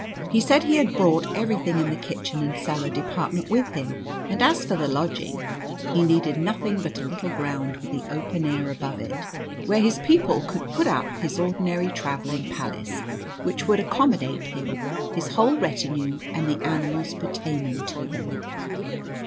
He said he had brought everything in the kitchen and cellar department with him, and as for the lodging, he needed nothing but a little bit of ground with the open air above it, where his people could put up his ordinary travelling palace, which would accommodate him, his whole retinue, and the animals pertaining to them.